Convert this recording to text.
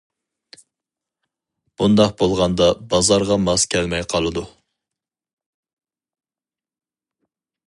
بۇنداق بولغاندا بازارغا ماس كەلمەي قالىدۇ.